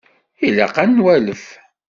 Ilaq ad nwalef.